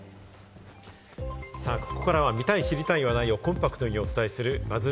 ここからは見たい、知りたい話題をコンパクトにお伝えするＢＵＺＺ